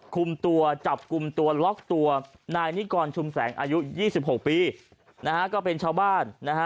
คุมตัวจับกลุ่มตัวล็อกตัวนายนิกรชุมแสงอายุ๒๖ปีนะฮะก็เป็นชาวบ้านนะฮะ